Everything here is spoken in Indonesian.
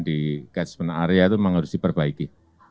di catchment area itu memang harus diperbaiki